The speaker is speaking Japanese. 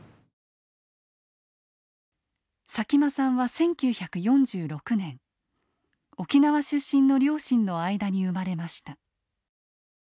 佐喜眞さんは１９４６年沖縄出身の両親の間に生まれました。